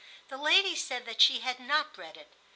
The lady said that she had not read it.